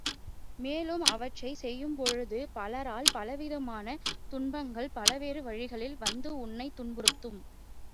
மேலும் அவற்றைச் செய்யும்பொழுது பலரால் பலவிதமான துன்பங்கள் பலவேறு வழிகளில் வந்து உன்னைத் துன்புறுத்தும்.